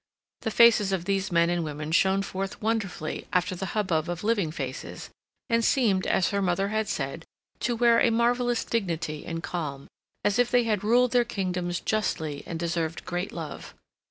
The faces of these men and women shone forth wonderfully after the hubbub of living faces, and seemed, as her mother had said, to wear a marvelous dignity and calm, as if they had ruled their kingdoms justly and deserved great love.